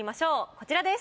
こちらです。